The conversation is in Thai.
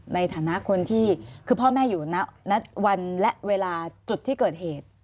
ในฐานะคนที่คือพ่อแม่อยู่ณวันและเวลาจุดที่เกิดเหตุ